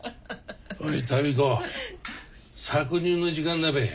おい民子搾乳の時間だべ。